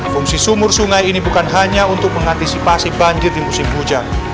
fungsi sumur sungai ini bukan hanya untuk mengantisipasi banjir di musim hujan